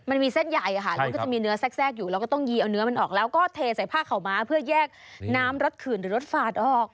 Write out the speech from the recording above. มันมีเส้นใหญ่ค่ะแล้วก็จะมีเนื้อแทรกอยู่แล้วก็ต้องยีเอาเนื้อมันออกแล้วก็เทใส่ผ้าข่าวม้าเพื่อแยกน้ำรถขื่นหรือรถฝาดออก